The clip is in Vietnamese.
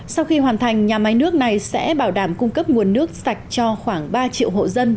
sau khi hoàn thành nhà máy nước này sẽ bảo đảm cung cấp nguồn nước sạch cho khoảng ba triệu hộ dân